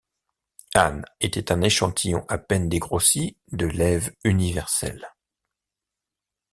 Anne était un échantillon à peine dégrossi de l’Ève universelle.